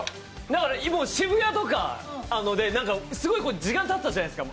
渋谷とかですごい時間かかったじゃないですか。